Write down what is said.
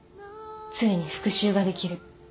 ついに復讐ができる